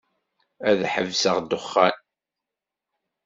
Ad ḥebseɣ ddexxan.